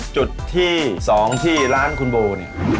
จุดที่๒ที่ร้านคุณโบเนี่ย